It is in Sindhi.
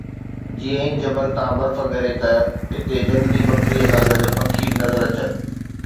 جيئن ئي جبل تان برف ڳري ته هتي جهنگلي ٻڪريءَ سان گڏ پکي به نظر اچن.